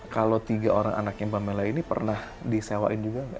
kalau tiga orang anaknya mbak mela ini pernah disewain juga nggak